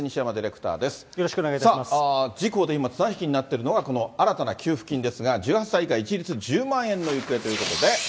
さあ、自公で今、綱引きになっているのが、この新たな給付金ですが、１８歳以下、一律１０万円の行方ということで。